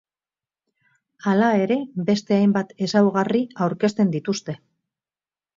Hala ere beste hainbat ezaugarri aurkezten dituzte.